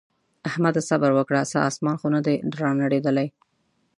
احمده! صبره وکړه څه اسمان خو نه دی رانړېدلی.